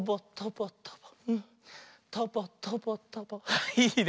あっいいね。